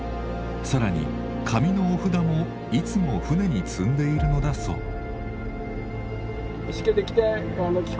更に紙のお札もいつも船に積んでいるのだそう。